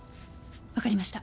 わかりました。